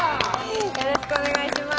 よろしくお願いします。